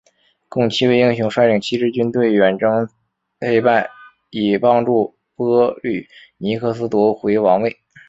共七位英雄率领七支军队远征忒拜以帮助波吕尼克斯夺回王位。